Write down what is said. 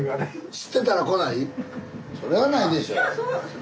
それはないでしょ。